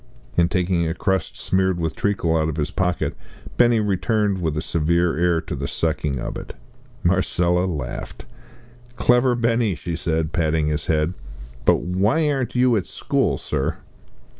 And taking a crust smeared with treacle out of his pocket, Benny returned with a severe air to the sucking of it. Marcella laughed. "Clever Benny," she said, patting his head; "but why aren't you at school, sir?"